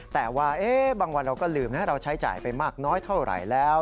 แต่ว่าบางวันเราก็ลืมนะเราใช้จ่ายไปมากน้อยเท่าไหร่แล้ว